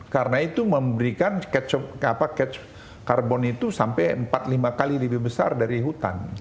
karena itu memberikan catch carbon itu sampai empat lima kali lebih besar dari hutan